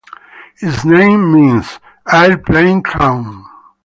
Its name means "Airplane crown".